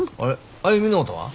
歩みノートは？